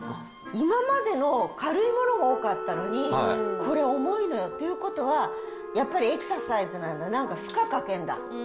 今までの軽いものが多かったのに、これ重いのよ。っていうことは、やっぱりエクササイズなんだ、負荷かけんだ。